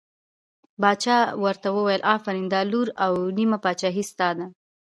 باچا ورته وویل آفرین دا لور او نیمه پاچهي ستا ده.